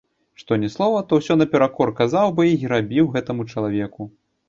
Што ні слова, то ўсё наперакор казаў бы й рабіў гэтакаму чалавеку.